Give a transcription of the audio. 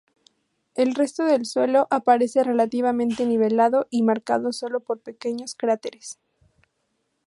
El resto del suelo aparece relativamente nivelado y marcado solo por pequeños cráteres.